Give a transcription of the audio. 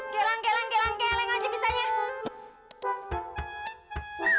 gelang gelang gelang geleng aja misalnya